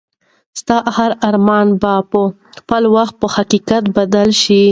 ستا هر ارمان به په خپل وخت په حقیقت بدل شي.